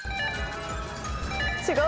違う？